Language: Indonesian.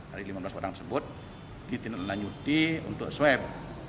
dari lima belas orang tersebut ditindak lanjuti untuk swab